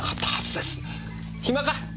暇か？